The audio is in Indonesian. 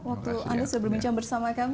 waktu anda sudah berbincang bersama kami